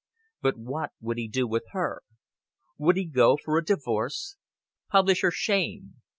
But what would he do with her? Would he go for a divorce? Publish her shame?